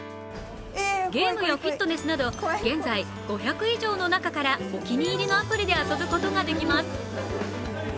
ゲームやフィットネスなど現在、５００以上の中からお気に入りのアプリで遊ぶことができます。